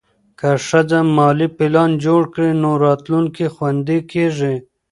که ښځه مالي پلان جوړ کړي، نو راتلونکی خوندي کېږي.